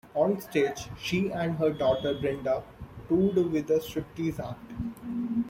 On stage, she and her daughter, Brenda, toured with a striptease act.